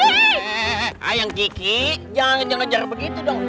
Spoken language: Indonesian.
hei hei hei ayang kiki jangan jangan najar begitu dong